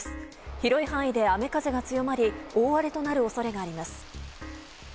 広い範囲で雨風が強まり大荒れとなる恐れがあります。